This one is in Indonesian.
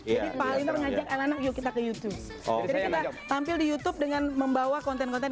ya paling terang aja anak yuk kita ke youtube tampil di youtube dengan membawa konten konten